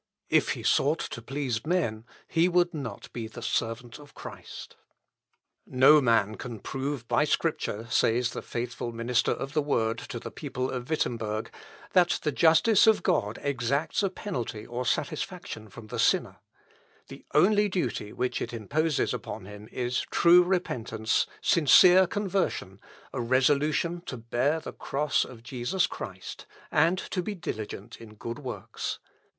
If he sought to please men, he would not be the servant of Christ. Säuberlich. "No man can prove by Scripture," says the faithful minister of the Word to the people of Wittemberg, "that the justice of God exacts a penalty or satisfaction from the sinner; the only duty which it imposes upon him is true repentance, sincere conversion, a resolution to bear the cross of Jesus Christ, and to be diligent in good works.